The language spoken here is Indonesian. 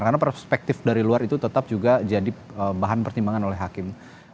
karena perspektif dari luar itu tetap juga jadi bahan pertimbangan oleh hakim